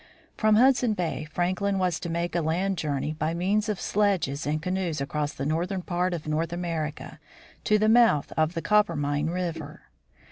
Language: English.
From Hudson bay, Franklin was to make a land journey by means of sledges and canoes across the northern part of North America, to the mouth of the Coppermine river.